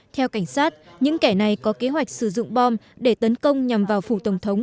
theo cảnh sát những kẻ này có kế hoạch sử dụng bom để tấn công nhằm vào phủ tổng thống